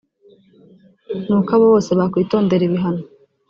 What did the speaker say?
ni uko abo bose bakwitondera ibihangano